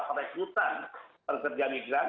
peresutan pekerja migran